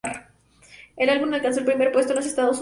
El álbum alcanzó el primer puesto en los Estados Unidos.